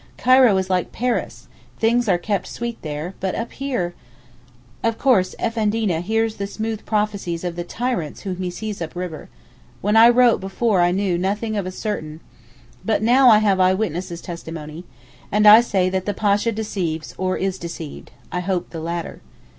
Cairo is like Paris, things are kept sweet there, but up here—! Of course Effendina hears the 'smooth prophecies' of the tyrants whom he sends up river. When I wrote before I knew nothing certain but now I have eye witnesses' testimony, and I say that the Pasha deceives or is deceived—I hope the latter.